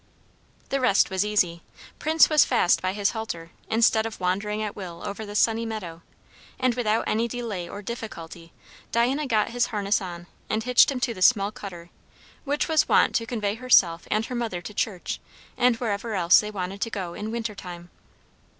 The rest was easy. Prince was fast by his halter, instead of wandering at will over the sunny meadow; and without any delay or difficulty, Diana got his harness on and hitched him to the small cutter which was wont to convey herself and her mother to church and wherever else they wanted to go in winter time.